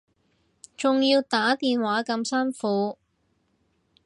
仲要打電話咁辛苦